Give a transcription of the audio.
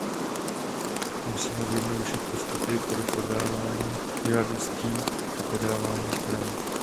Musíme zjednodušit postupy pro podávání žádostí a podávání zpráv.